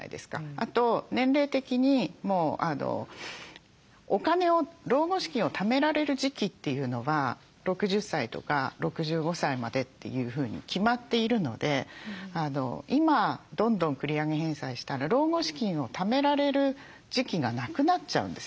あと年齢的にお金を老後資金をためられる時期というのは６０歳とか６５歳までというふうに決まっているので今どんどん繰り上げ返済したら老後資金をためられる時期がなくなっちゃうんですね。